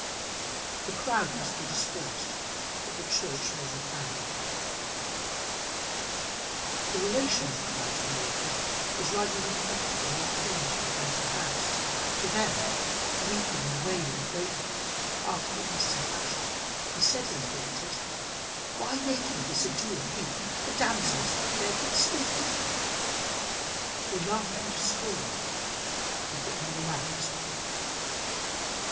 The crowd must be dispersed that the church may be formed. The relation of the crowd to the miracle is rightly reflected in what came to the friends of the house. To them, weeping and wailing greatly, after the Eastern fashion, he said when he entered, "Why make ye this ado, and weep? The damsel is not dead, but sleepeth." They laughed him to scorn. He put them all out.